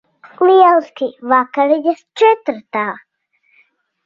Lieliski. Vakariņas četratā.